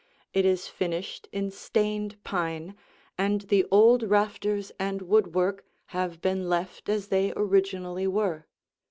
It is finished in stained pine, and the old rafters and woodwork have been left as they originally were.